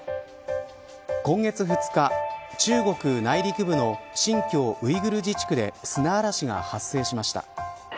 今月２日、中国内陸部の新疆ウイグル自治区で砂嵐が発生しました。